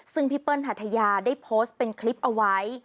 ซึ่งพี่เปิ้ลหัทยาได้โพสต์เป็นคลิปเอาไว้